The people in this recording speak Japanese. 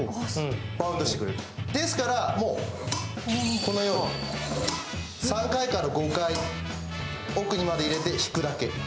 ですからこのように３回から５回、奥まで入れて引くだけ。